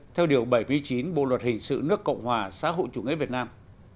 theo điều bảy mươi chín bộ luật hình sự nước cộng hòa xã hội chủ nghĩa việt nam